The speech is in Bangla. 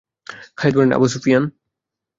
খালিদ বলেন– আবু সুফিয়ান!